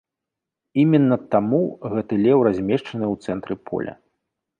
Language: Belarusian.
Іменна таму гэты леў размешчаны ў цэнтры поля.